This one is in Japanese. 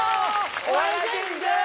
お笑い芸人です！